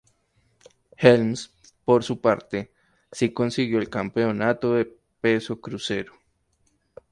Helms, por su parte, sí consiguió el Campeonato de Peso Crucero.